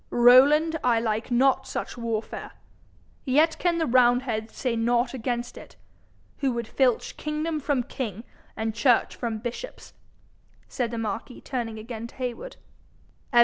'Rowland, I like not such warfare. Yet can the roundheads say nought against it, who would filch kingdom from king and church from bishops,' said the marquis, turning again to Heywood.